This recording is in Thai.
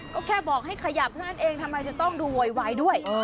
ก็แค่บอกให้ขยับเท่านั้นเองทำไมจะต้องดูโวยวายด้วย